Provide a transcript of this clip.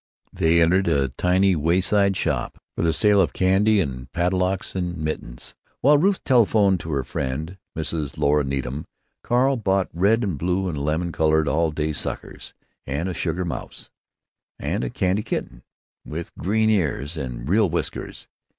They entered a tiny wayside shop for the sale of candy and padlocks and mittens. While Ruth telephoned to her friend, Mrs. Laura Needham, Carl bought red and blue and lemon colored all day suckers, and a sugar mouse, and a candy kitten with green ears and real whiskers.